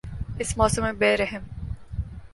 اس موسم میں بے رحم